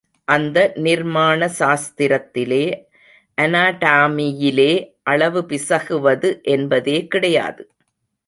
அந்த நிர்மாண சாஸ்திரத்திலே அனாடாமியிலே அளவு பிசகுவது என்பதே கிடையாது.